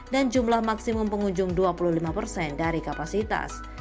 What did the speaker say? dan jumlah maksimum pengunjung dua puluh lima persen dari kapasitas